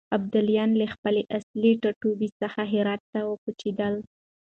ابداليان له خپل اصلي ټاټوبي څخه هرات ته وکوچېدل.